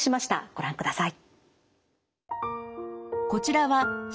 ご覧ください。